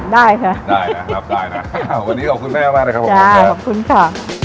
ได้รับได้นะวันนี้ขอบคุณแม่มากทนครับขอบคุณค่ะ